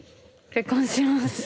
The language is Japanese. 結婚します。